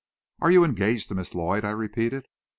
"Are you engaged to Miss Lloyd?" I repeated.